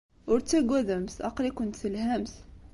Ur ttaggademt, aql-ikent telhamt.